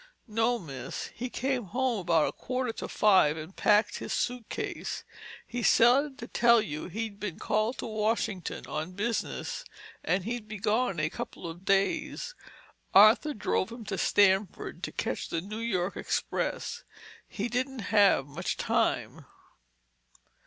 "No, miss. He came home about quarter to five and packed his suitcase. He said to tell you he'd been called to Washington on business and he'd be gone a couple of days. Arthur drove him to Stamford to catch the New York express—he didn't have much time."